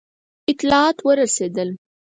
اطلاعات ورسېدل.